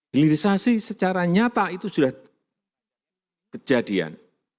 hilirisasi secara nyata itu sudah kejadian